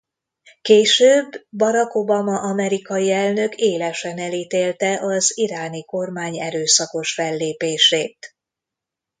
Később Barack Obama amerikai elnök élesen elítélte az iráni kormány erőszakos fellépését.